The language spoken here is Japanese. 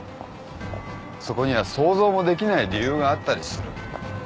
そこには想像もできない理由があったりする。